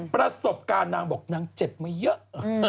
ประสบการณ์นางบอกนางเจ็บมาเยอะ